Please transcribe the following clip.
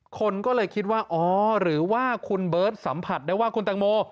คนก็เลยคิดว่าอ๋อหรือว่าคุณเบิร์ตสัมผัสได้ว่าคุณตังโม